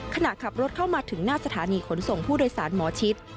ขณะขับรถเข้ามาถึงหน้าสถานีขนส่งผู้โดยสารหมอชิด